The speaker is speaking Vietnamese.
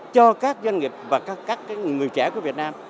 cho các doanh nghiệp và các người trẻ của việt nam